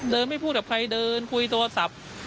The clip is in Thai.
ไม่พูดกับใครเดินคุยโทรศัพท์